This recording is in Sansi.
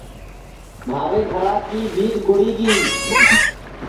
مھارے گھرا کی بھیت گُڑی گی